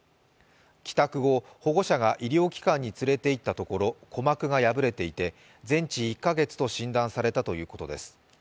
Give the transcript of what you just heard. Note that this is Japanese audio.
帰宅後、保護者が医療機関に連れて行ったところ鼓膜が破れていて全治１か月と診断されたということです。